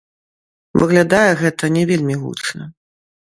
Выглядае гэта не вельмі гучна.